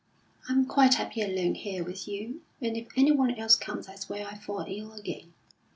"I'm quite happy alone here with you, and if anyone else comes I swear I'll fall ill again."